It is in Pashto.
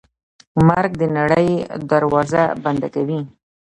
مرګ د نړۍ دروازه بنده کوي.